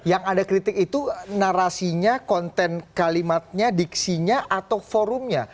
yang anda kritik itu narasinya konten kalimatnya diksinya atau forumnya